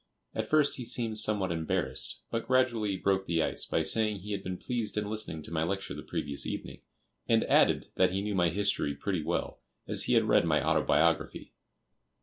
At first he seemed somewhat embarrassed, but gradually broke the ice by saying he had been pleased in listening to my lecture the previous evening, and added that he knew my history pretty well, as he had read my autobiography.